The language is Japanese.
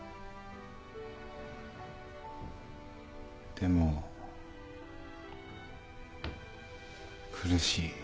でも苦しい。